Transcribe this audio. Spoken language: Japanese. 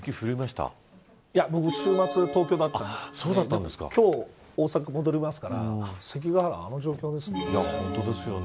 僕、週末、東京だったんで今日大阪戻りますから関ケ原、あの状況ですもんね。